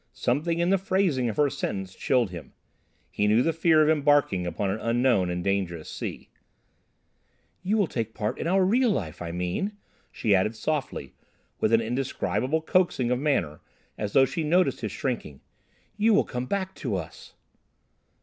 Something in the phrasing of her sentence chilled him. He knew the fear of embarking upon an unknown and dangerous sea. "You will take part in our real life, I mean," she added softly, with an indescribable coaxing of manner, as though she noticed his shrinking. "You will come back to us."